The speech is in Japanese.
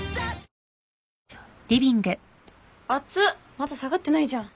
まだ下がってないじゃん。